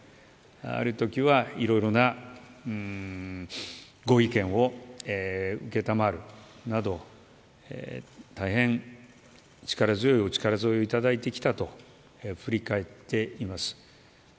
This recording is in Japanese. あるときは、いろいろなご意見をたまわるなど大変力強いお力添えをいただいたと振り返っています。